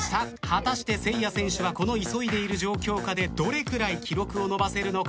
果たしてせいや選手はこの急いでいる状況下でどれくらい記録を伸ばせるのか？